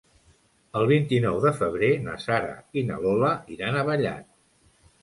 El vint-i-nou de febrer na Sara i na Lola iran a Vallat.